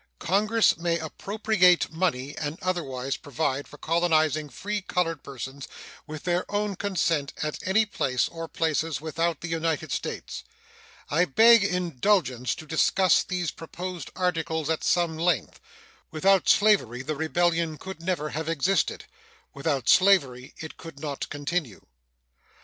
Congress may appropriate money and otherwise provide for colonizing free colored persons with their own consent at any place or places without the United States. I beg indulgence to discuss these proposed articles at some length. Without slavery the rebellion could never have existed; without slavery it could not continue.